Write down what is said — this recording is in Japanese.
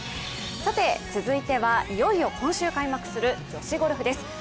続いては、いよいよ今週開幕する女子ゴルフです。